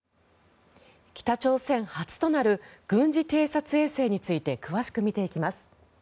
北朝鮮初となる軍事偵察衛星について詳しく見ていきます。